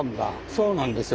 そうなんですよ。